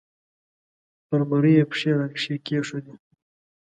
پر مرۍ یې پښې را کېښودې